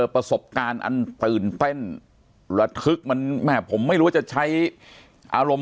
สวัสดีครับทุกผู้ชม